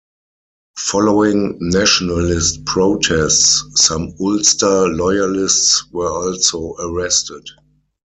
Following nationalist protests, some Ulster loyalists were also arrested.